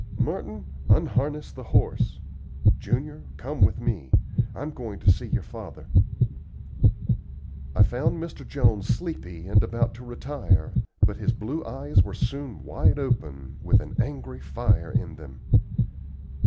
Merton, unharness the horse. Junior, come with me; I'm going to see your father." I found Mr. Jones sleepy and about to retire, but his blue eyes were soon wide open, with an angry fire in them.